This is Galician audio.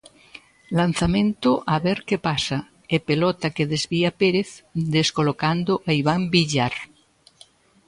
Lanzamento a ver que pasa e pelota que desvía Pérez descolocando a Iván Villar.